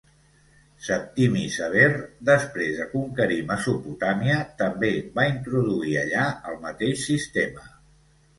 Septimi Sever, després de conquerir Mesopotàmia, també va introduir allà el mateix sistema.